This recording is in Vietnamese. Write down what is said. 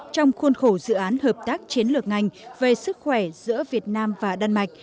trong khuôn khổ dự án hợp tác chiến lược ngành về sức khỏe giữa việt nam và đan mạch